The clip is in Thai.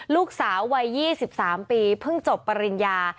ลูกสาววัย๒๓ปีเพิ่งจบปริญญา